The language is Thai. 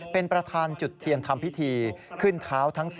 เป็นประธานจุดเทียนทำพิธีขึ้นเท้าทั้ง๔